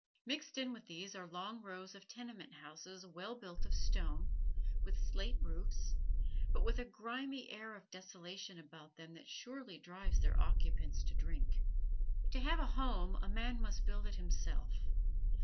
Mixed in with these are long rows of tenement houses well built of stone, with slate roofs, but with a grimy air of desolation about them that surely drives their occupants to drink. To have a home a man must build it himself.